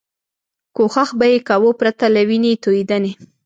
کوښښ به یې کاوه پرته له وینې توېدنې.